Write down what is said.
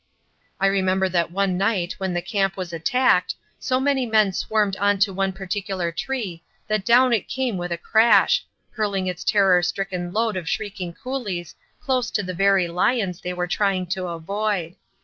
I remember that one night when the camp was attacked, so many men swarmed on to one particular tree that down it came with a crash, hurling its terror stricken load of shrieking coolies close to the very lions they were trying to avoid.